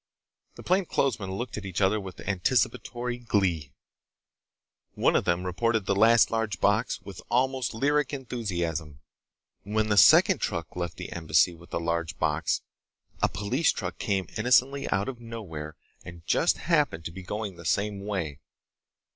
The plainclothesmen looked at each other with anticipatory glee. One of them reported the last large box with almost lyric enthusiasm. When the second truck left the Embassy with the large box, a police truck came innocently out of nowhere and just happened to be going the same way.